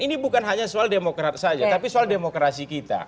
ini bukan hanya soal demokrat saja tapi soal demokrasi kita